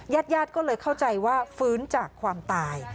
ญาติญาติก็เลยเข้าใจว่าฟื้นจากความตาย